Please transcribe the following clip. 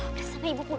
bersama ibu pulang